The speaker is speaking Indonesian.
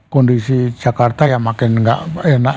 kondisi jakarta ya makin nggak enak